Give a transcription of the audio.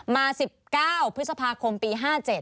มา๑๙พฤษภาคมปี๕๗